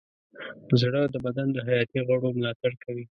زړه د بدن د حیاتي غړو ملاتړ کوي.